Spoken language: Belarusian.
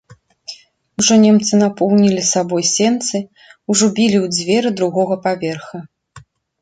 Ужо немцы напоўнілі сабой сенцы, ужо білі ў дзверы другога паверха.